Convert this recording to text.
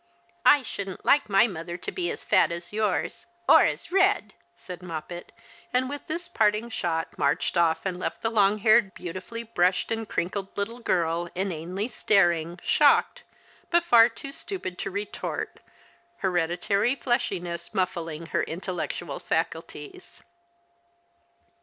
" I shouldn't like my mother to be as fat as yours, or as red," said Moppet, and with this parting shot marched off and left the long haired beautifully brushed and crinkled little girl inanely staring, shocked, but far too stupid to retort, hereditary fleshiness muffling her intellectual faculties.